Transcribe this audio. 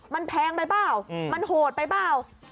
มันแพงไปเปล่ามันโหดไปเปล่า